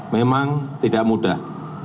memang tidak mudah